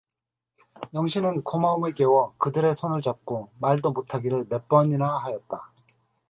영신은 고마움에 겨워 그들의 손을 잡고 말도 못 하기를 몇 번이나 하였다.